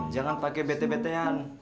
jangan pake bete betean